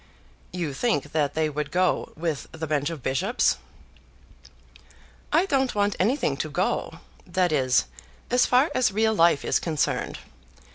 "You think that they would go with the bench of bishops?" "I don't want anything to go, that is, as far as real life is concerned.